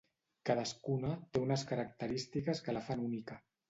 Cadascuna té unes característiques que la fan única.